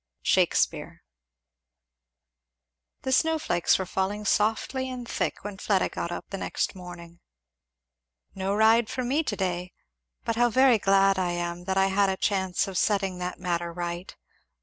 Shakspeare. The snow flakes were falling softly and thick when Fleda got up the next morning. "No ride for me to day but how very glad I am that I had a chance of setting that matter right.